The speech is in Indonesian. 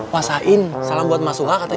mas sain salam buat mas wa katanya